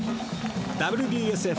ＷＤＳＦ